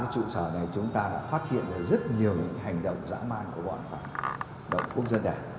chúng ta đã phát hiện rất nhiều hành động dã man của bọn phản động quốc dân đảng